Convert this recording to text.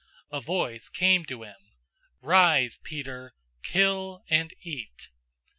010:013 A voice came to him, "Rise, Peter, kill and eat!"